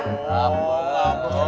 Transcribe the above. tidak boleh mas